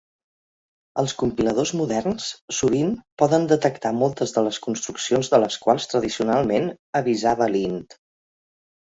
Els compiladors moderns sovint poden detectar moltes de les construccions de les quals tradicionalment avisava lint.